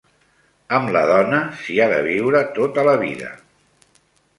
Amb la dona, s'hi ha de viure tota la vida